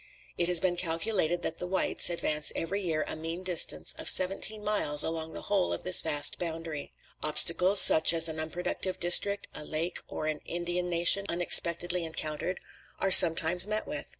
It has been calculated that the Whites, advance every year a mean distance of seventeen miles along the whole of this vast boundary. Obstacles, such as an unproductive district, a lake, or an Indian nation unexpectedly encountered, are sometimes met with.